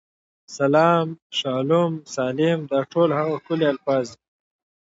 سلام، شالوم، سالم، دا ټول هغه ښکلي الفاظ دي.